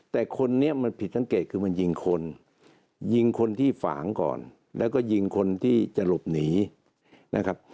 แต่คนนี้มันผิดสังเกตคือมันยิงคนยิงคนที่ฝางก่อนแล้วก็ยิงคนที่จะหลบหนีนะครับ